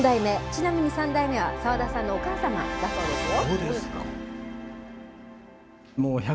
ちなみに、３代目は澤田さんのお母様だそうですよ。